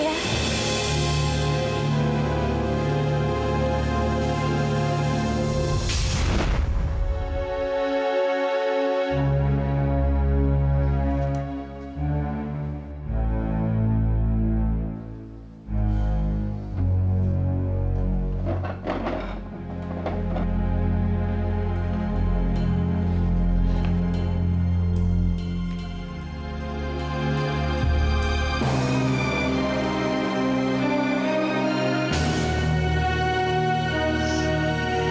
aku akan menunggu